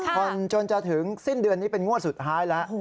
ผ่อนจนจะถึงสิ้นเดือนนี้เป็นงวดสุดท้ายแล้ว